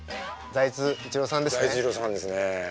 財津一郎さんですね。